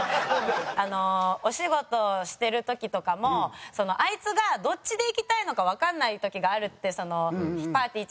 お仕事してる時とかもあいつがどっちでいきたいのかわかんない時があるってぱーてぃー